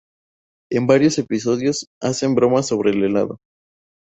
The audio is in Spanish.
En varios episodios, hacen bromas sobre el helado.